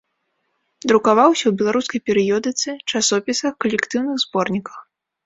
Друкаваўся ў беларускай перыёдыцы, часопісах, калектыўных зборніках.